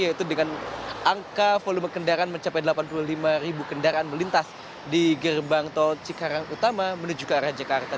yaitu dengan angka volume kendaraan mencapai delapan puluh lima ribu kendaraan melintas di gerbang tol cikarang utama menuju ke arah jakarta